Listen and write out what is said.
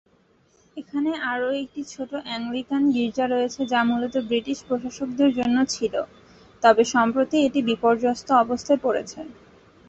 এখানে আরও একটি ছোট অ্যাংলিকান গির্জা রয়েছে, যা মূলত ব্রিটিশ প্রশাসকদের জন্য ছিল, তবে সম্প্রতি এটি বিপর্যস্ত অবস্থায় পড়েছে।